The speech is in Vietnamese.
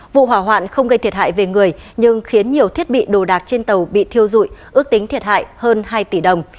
vụ hỏa hoạn không gây thiệt hại về người nhưng khiến nhiều thiết bị đồ đạc trên tàu bị thiêu dụi ước tính thiệt hại hơn hai tỷ đồng